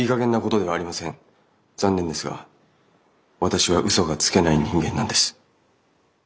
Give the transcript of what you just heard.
残念ですが私は嘘がつけない人間なんです。